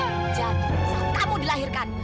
zahir kamu dilahirkan